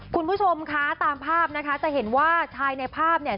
คุณผู้ชมคะตามภาพนะคะจะเห็นว่าชายในภาพเนี่ย